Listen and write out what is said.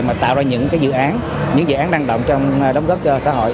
mà tạo ra những cái dự án những dự án năng động trong đóng góp cho xã hội